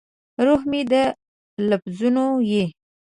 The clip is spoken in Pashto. روح مې د لفظونو یې